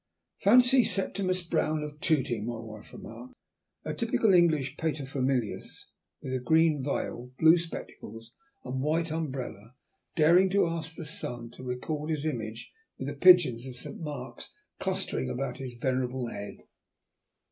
"Fancy Septimus Brown, of Tooting," my wife remarked, "a typical English paterfamilias, with a green veil, blue spectacles, and white umbrella, daring to ask the sun to record his image with the pigeons of St. Mark's clustering about his venerable head.